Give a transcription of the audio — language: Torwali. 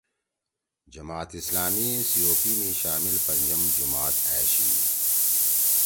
جماعت اسلامی COP می شامل پنجم جماعت أشی